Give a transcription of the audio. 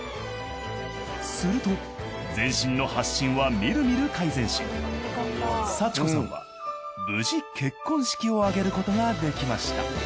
すると全身の発疹はみるみる改善し幸子さんは無事結婚式を挙げることができました